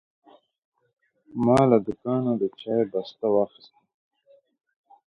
ما له دوکانه د چای بسته واخیسته.